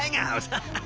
ハハハハ！